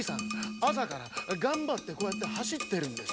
あさからがんばってこうやってはしってるんです。